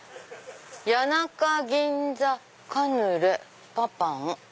「谷中銀座カヌレパパン」。